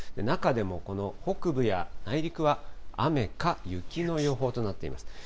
中でもこの北部や内陸は雨か雪の予報となっています。